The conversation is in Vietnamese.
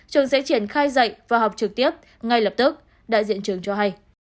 trường sẽ triển khai dạy và học trực tiếp ngay lập tức đại diện trường cho hay